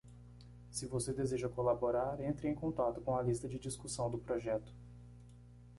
Se você deseja colaborar, entre em contato com a lista de discussão do projeto.